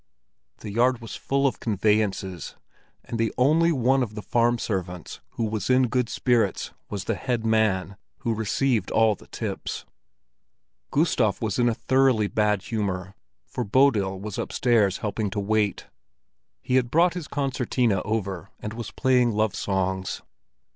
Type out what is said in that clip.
The yard was full of conveyances, and the only one of the farm servants who was in good spirits was the head man, who received all the tips. Gustav was in a thoroughly bad humor, for Bodil was upstairs helping to wait. He had brought his concertina over, and was playing love songs.